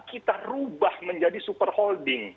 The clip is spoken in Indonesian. kita rubah menjadi superholding